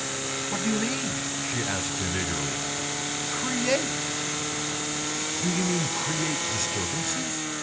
"'What do you mean?' she asked him eagerly. "'Create.' "'Do you mean create disturbances?